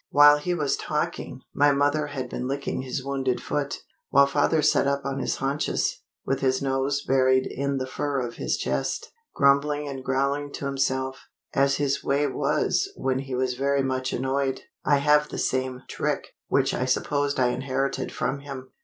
While he was talking, my mother had been licking his wounded foot, while father sat up on his haunches, with his nose buried in the fur of his chest, grumbling and growling to himself, as his way was when he was very much annoyed. I have the same trick, which I suppose I inherited from him.